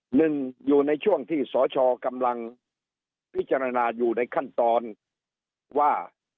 หนึ่งอยู่ในช่วงที่สชกำลังพิจารณาอยู่ในขั้นตอนว่า